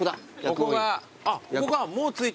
ここかもう着いた。